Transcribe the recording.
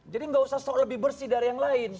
jadi nggak usah soal lebih bersih dari yang lain